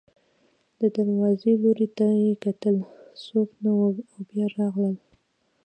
د دروازې لوري ته یې وکتل، څوک نه و او بیا راغله.